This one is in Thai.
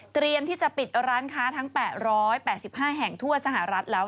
ที่จะปิดร้านค้าทั้ง๘๘๕แห่งทั่วสหรัฐแล้ว